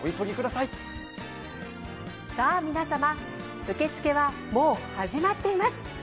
さあ皆様受け付けはもう始まっています。